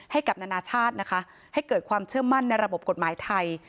ให้กับนานาชาตินะคะให้เกิดความเชื่อมั่นในระบบกฎหมายไทย